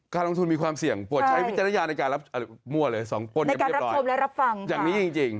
การลองทุนมีความเสี่ยงปวดใช้พิจารณญาในการรับฟัง